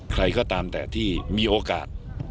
ใครก็ตามแต่ที่มีโอกาส